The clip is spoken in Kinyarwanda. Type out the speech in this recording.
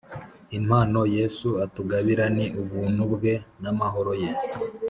Impano yesu atugabira ni Ubuntu bwe n’amahoro ye